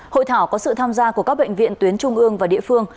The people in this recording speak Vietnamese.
hội thảo có sự tham gia của các bệnh viện tuyến trung ương và địa phương